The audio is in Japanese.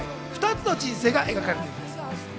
２つの人生が描かれています。